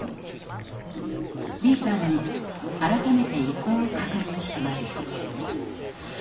Ｂさんに改めて意向を確認します。